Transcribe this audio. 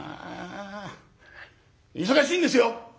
忙しいんですよ！